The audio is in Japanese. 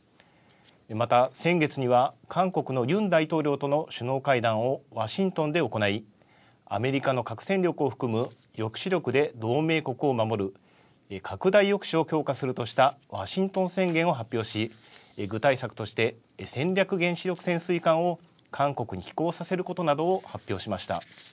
また、先月には韓国のユン大統領との首脳会談をワシントンで行い、アメリカの核戦力を含む抑止力で同盟国を守る、拡大抑止を強化するとしたワシントン宣言を発表し、具体策として戦略原子力潜水艦を韓国に寄港させることなどを発表しました。